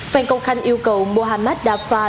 phan công khanh yêu cầu mohamed afar